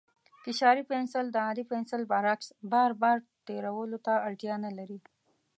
فشاري پنسل د عادي پنسل برعکس، بار بار تېرولو ته اړتیا نه لري.